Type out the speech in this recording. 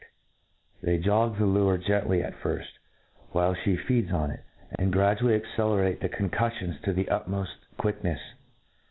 ed, they jog the. lure gently at firftj while Ihc feeds oil it, and gradually accelerate the concuf^ fions to the utmpft quicknefs.